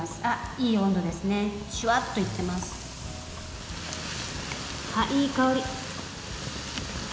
いい香り！